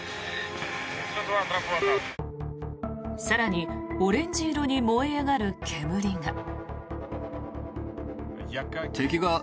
更にオレンジ色に燃え上がる煙が。